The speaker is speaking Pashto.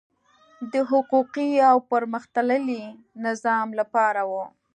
د حقوقي او پرمختللي نظام لپاره وو.